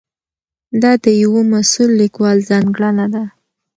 دا د یوه مسؤل لیکوال ځانګړنه ده.